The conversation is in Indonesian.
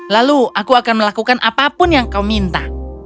lalu aku akan melakukan apapun yang kau minta